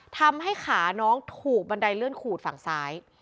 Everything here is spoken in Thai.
ทำให้ขาน้องถูกบันไดเลื่อนขูดฝั่งซ้าย